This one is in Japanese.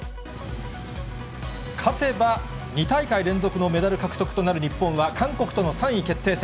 勝てば、２大会連続のメダル獲得となる日本は、韓国との３位決定戦。